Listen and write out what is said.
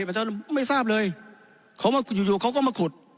ประชาชนไม่ทราบเลยเขามาอยู่อยู่เขาก็มาขุด